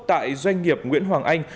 tại doanh nghiệp nguyễn hoàng anh